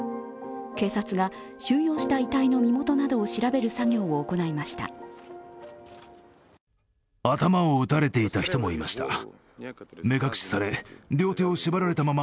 警察が収容した遺体の身元などを調べる作業を行いました。